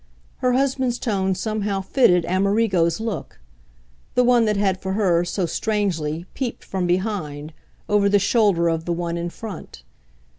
Her husband's tone somehow fitted Amerigo's look the one that had, for her, so strangely, peeped, from behind, over the shoulder of the one in front.